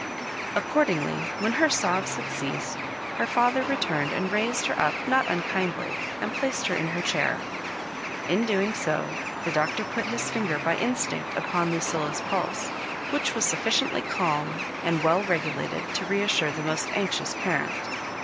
Accordingly, when her sobs had ceased, her father returned and raised her up not unkindly, and. placed her in her chair. In doing so, the Doctor put his finger by instinct upon Lucilla's pulse, which was sufficiently calm and well re gulated to reassure the most anxious parent.